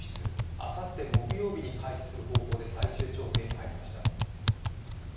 あさって木曜日に開始する方向で最終調整に入りました。